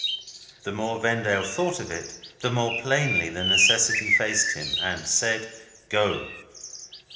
The more Vendale thought of it, the more plainly the necessity faced him, and said, "Go!"